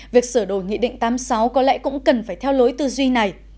việc sửa đổi nghị định tám mươi sáu có lẽ cũng cần phải theo lối tư duy này